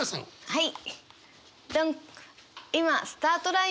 はい。